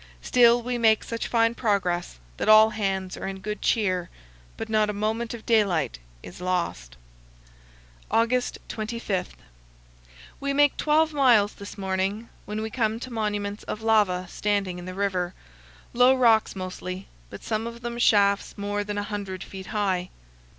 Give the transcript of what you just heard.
Still, we make such fine progress that all hands are in good cheer, but not a moment of daylight is lost. August 25. We make 12 miles this morning, when we come to monuments of lava standing in the river, low rocks mostly, but some of them shafts more than a hundred feet high.